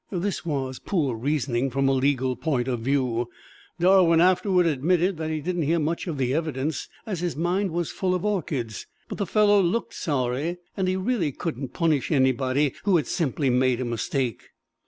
This was poor reasoning from a legal point of view. Darwin afterward admitted that he didn't hear much of the evidence, as his mind was full of orchids, but the fellow looked sorry, and he really couldn't punish anybody who had simply made a mistake.